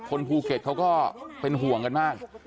ภูเก็ตเขาก็เป็นห่วงกันมาก